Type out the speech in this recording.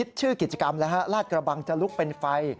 ชื่อกิจกรรมแล้วฮะลาดกระบังจะลุกเป็นไฟ